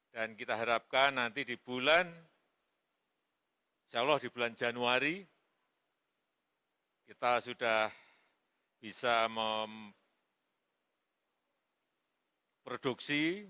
dan kita harapkan nanti di bulan insyaallah di bulan januari kita sudah bisa memproduksi